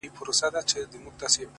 o خدايه دا ټـپه مي په وجود كـي ده ـ